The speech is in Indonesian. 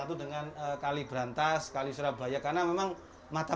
perusahaan yang terbaik untuk mencari perusahaan yang paling penting adalah